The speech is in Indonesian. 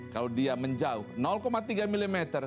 kalau dia menjauh tiga mm